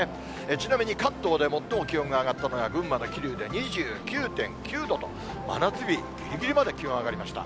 ちなみに関東で最も気温が上がったのが、群馬の桐生で２９．９度と、真夏日ぎりぎりまで気温上がりました。